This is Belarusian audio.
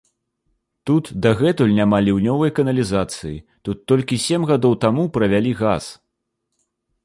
Тут дагэтуль няма ліўневай каналізацыі, тут толькі сем гадоў таму правялі газ.